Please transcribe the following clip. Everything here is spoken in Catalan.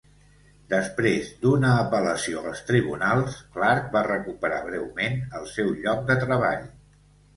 Després d'una apel·lació als tribunals, Clark va recuperar breument el seu lloc de treball.